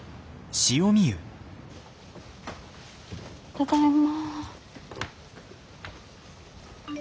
ただいま。